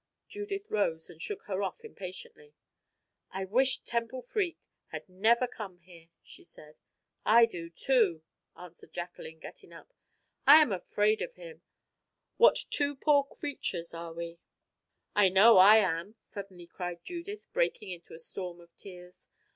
Judith rose and shook her off impatiently. "I wish Temple Freke had never come here," she said. "I do, too," answered Jacqueline, getting up. "I am afraid of him. O Judith, what two poor creatures are we!" "I know I am," suddenly cried Judith, breaking into a storm of tears.